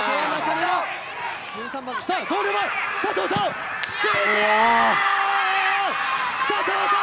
ゴール前、佐藤泰旺！